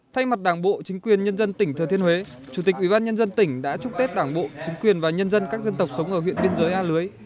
thay mặt đảng bộ chính quyền nhân dân tỉnh thừa thiên huế chủ tịch ủy ban nhân dân tỉnh đã chúc tết đảng bộ chính quyền và nhân dân các dân tộc sống ở huyện biên giới a lưới